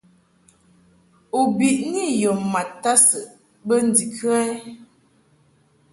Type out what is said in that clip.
U biʼni yɔ mad ma tadsɨʼ bə ndikə ?